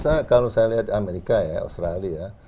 saya rasa kalau saya lihat amerika ya australia